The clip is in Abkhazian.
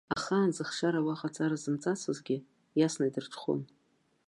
Ахаан зыхшара уаҟа аҵара зымҵацызгьы, иасны идырҽхәон.